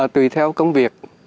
tùy theo công việc